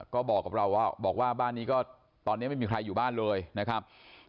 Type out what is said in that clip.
ก็บอกกับเราว่าบอกว่าบ้านนี้ก็ตอนนี้ไม่มีใครอยู่บ้านเลยนะครับ